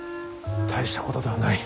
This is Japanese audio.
大したことではない。